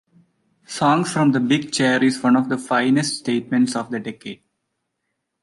"Songs from the Big Chair" is one of the finest statements of the decade.